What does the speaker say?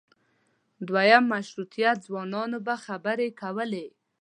د دویم مشروطیت ځوانانو به خبرې کولې.